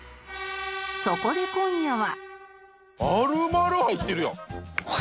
そこで今夜は